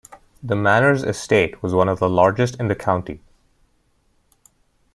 The manor's estate was one of the largest in the county.